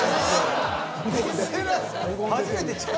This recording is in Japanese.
初めてちゃう？